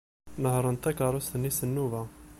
Nehṛent takeṛṛust-nni s nnuba.